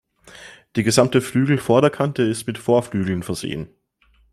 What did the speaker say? Die gesamte Flügelvorderkante ist mit Vorflügeln versehen.